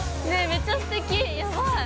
めっちゃすてきやばい！